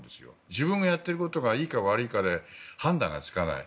自分がやっていることがいいか悪いか判断がつかない。